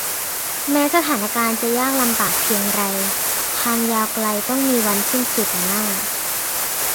แม้สถานการณ์จะยากลำบากเพียงไรทางยาวไกลต้องมีวันสิ้นสุดล่ะน่า